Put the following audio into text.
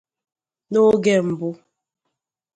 N'oge mbụ